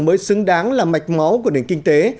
mới xứng đáng là mạch máu của nền kinh tế